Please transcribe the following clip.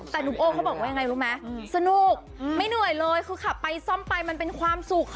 แต่หนุ่มโอ้เขาบอกว่ายังไงรู้ไหมสนุกไม่เหนื่อยเลยคือขับไปซ่อมไปมันเป็นความสุขค่ะ